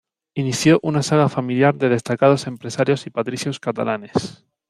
Inició una saga familiar de destacados empresarios y patricios catalanes.